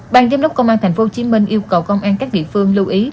ban giám đốc công an tp hcm yêu cầu công an các địa phương lưu ý